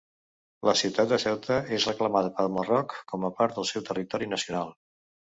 La ciutat de Ceuta és reclamada pel Marroc com a part del seu territori nacional.